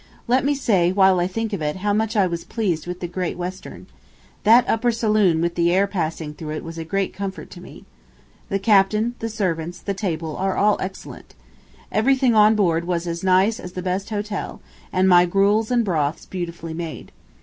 Let me say, while I think of it, how much I was pleased with the Great Western. That upper saloon with the air passing through it was a great comfort to me. The captain, the servants, the table, are all excellent. Everything on board was as nice as in the best hotel, and my gruels and broths beautifully made.